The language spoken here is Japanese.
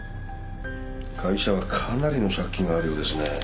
ガイ者はかなりの借金があるようですね。